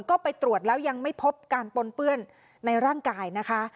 ก็ไปตรวจแล้วยังไม่พบการปนเปื้อนในร่างกายนะคะ